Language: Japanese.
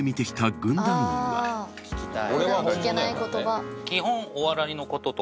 普段聞けない言葉。